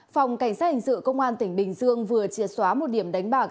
phòng cảnh sát hình sự công an tỉnh bình dương vừa triệt xóa một điểm đánh bạc